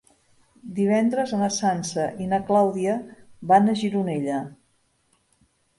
Divendres na Sança i na Clàudia van a Gironella.